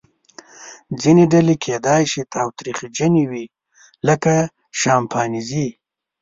ځینې ډلې کیدای شي تاوتریخجنې وي لکه شامپانزې.